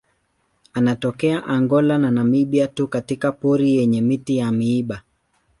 Anatokea Angola na Namibia tu katika pori yenye miti ya miiba.